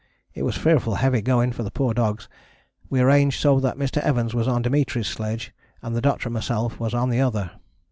It was fearful heavy going for the poor dogs, we arranged so that Mr. Evans was on Dimitri's sledge and Doctor and myself was on the other.